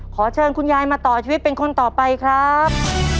ขอเชิญคุณยายมาต่อชีวิตเป็นคนต่อไปครับ